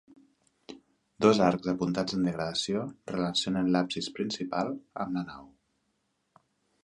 Dos arcs apuntats en degradació relacionen l'absis principal amb la nau.